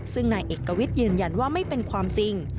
ซึ่งนายเอกวิทย์ยืนยันว่าไม่เป็นความจริง